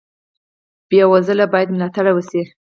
بې وزله باید ملاتړ شي